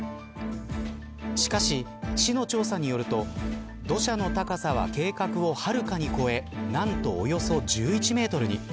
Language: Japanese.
しかし、市の調査によると土砂の高さは計画をはるかに超えなんと、およそ１１メートルに。